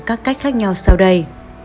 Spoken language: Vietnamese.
các cách khác nhau sau đây